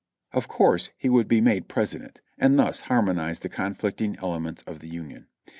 Of course he would be made President, and thus harmonize the conflicting elements of the Union.